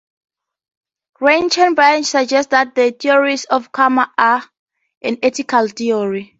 Reichenbach suggests that the theories of karma are an ethical theory.